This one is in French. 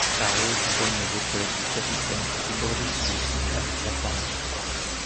La Rose lui donne les épaulettes du capitaine et fait brûler celui-ci avec sa femme.